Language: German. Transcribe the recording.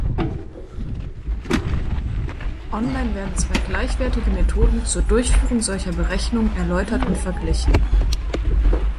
Online werden zwei gleichwertige Methoden zur Durchführung solcher Berechnungen erläutert und verglichen.